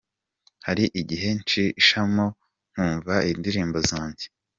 Hari igihe ncishamo nkumva indirimbo zanjye,.